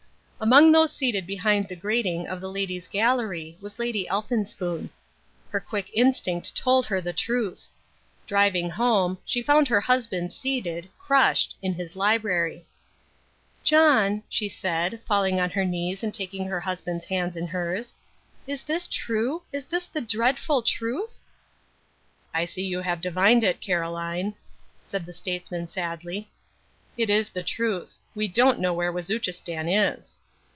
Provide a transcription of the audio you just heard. Among those seated behind the grating of the Ladies' Gallery was Lady Elphinspoon. Her quick instinct told her the truth. Driving home, she found her husband seated, crushed, in his library. "John," she said, falling on her knees and taking her husband's hands in hers, "is this true? Is this the dreadful truth?" "I see you have divined it, Caroline," said the statesman sadly. "It is the truth. We don't know where Wazuchistan is."